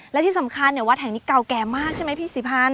และที่สำคัญวัดแห่งนี้เก่าแก่มากใช่ไหมพี่ศรีพันธ